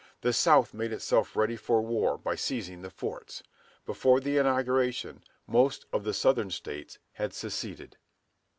The South made itself ready for war by seizing the forts. Before the inauguration most of the Southern States had seceded.